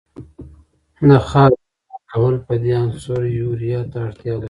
د خاورې بډای کول په دې عنصر یوریا ته اړتیا لري.